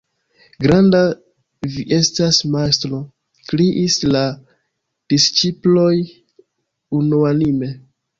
"Granda vi estas majstro!" Kriis la disĉiploj unuanime.